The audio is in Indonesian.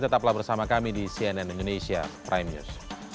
tetaplah bersama kami di cnn indonesia prime news